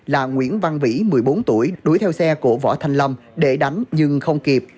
là nguyễn văn vĩ một mươi bốn tuổi đuổi theo xe của võ thanh lâm để đánh nhưng không kịp